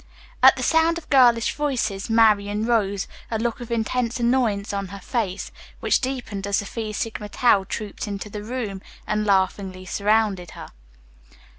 At the sound of girlish voices, Marian rose, a look of intense annoyance on her face, which deepened as the Phi Sigma Tau trooped into the room, and laughingly surrounded her.